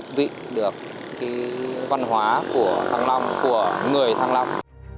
cái văn hóa của thăng long của người thăng long